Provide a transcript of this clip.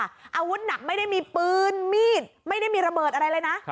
อาวุธหนักไม่ได้มีปืนมีดไม่ได้มีระเบิดอะไรเลยนะ